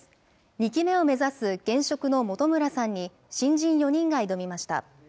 ２期目を目指す現職の本村さんに新人４人が挑みました。